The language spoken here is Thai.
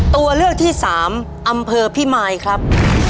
ตัวเลือกที่สามอำเภอพิมายครับ